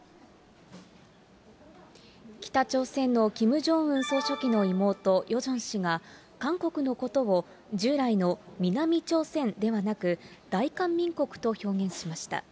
北朝鮮のキム・ジョンウン総書記の妹、ヨジョン氏が韓国のことを、従来の南朝鮮ではなく、大韓民国と表現しました。